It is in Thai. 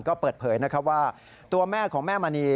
ก็เปิดเผยนะครับว่าตัวแม่ของแม่มณี